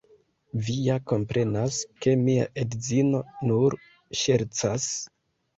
Vi ja komprenas, ke mia edzino nur ŝercas?